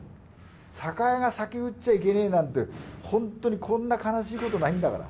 酒屋が酒売っちゃいけねえなんて、本当にこんな悲しいことないんだから。